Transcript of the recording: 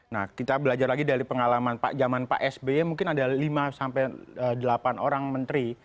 nah kita belajar lagi dari pengalaman zaman pak sby mungkin ada lima sampai delapan orang menteri